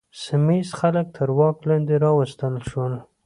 سیمه ییز خلک تر واک لاندې راوستل شول.